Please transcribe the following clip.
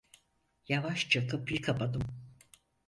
Yavaşça kapıyı kapadım.